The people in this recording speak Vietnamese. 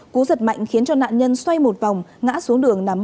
cú giật mạnh khiến cho nạn nhân xoay một đường